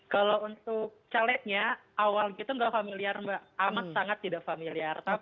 kalau untuk calegnya awal kita nggak familiar mbak amat sangat tidak familiar